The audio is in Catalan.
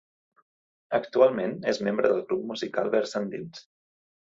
Actualment és membre del grup musical Vers endins.